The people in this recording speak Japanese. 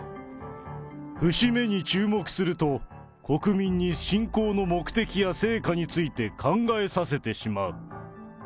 節目に注目すると、国民に侵攻の目的や成果について考えさせてしまう。